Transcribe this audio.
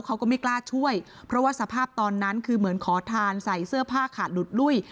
เขาก็ไม่กล้าช่วยเพราะว่าสภาพตอนนั้นคือเหมือนขอทานใส่เสื้อผ้าขาดหลุดลุ้ย